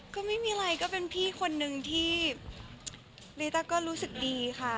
ก็ไม่มีอะไรก็เป็นพี่คนนึงที่ลีต้าก็รู้สึกดีค่ะ